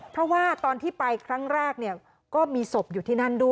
เพราะว่าตอนที่ไปครั้งแรกเนี่ยก็มีศพอยู่ที่นั่นด้วย